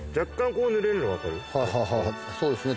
そうですね。